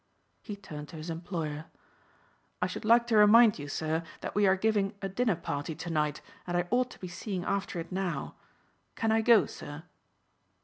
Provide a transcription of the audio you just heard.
He turned to his employer, "I should like to remind you, sir, that we are giving a dinner party to night and I ought to be seeing after it now. Can I go, sir?"